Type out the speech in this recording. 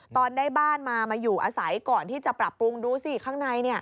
ตอนได้บ้านมามาอยู่อาศัยก่อนที่จะปรับปรุงดูสิข้างใน